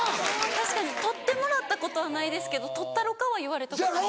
確かに取ってもらったことはないですけど「取ったろか？」は言われたことあります。